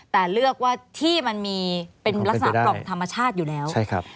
แต่เลือกว่าที่มันมีเป็นลักษณะปล่องธรรมชาติอยู่แล้วใช่ครับ